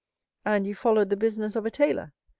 "And you followed the business of a tailor?"